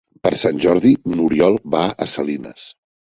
Per Sant Jordi n'Oriol va a Salines.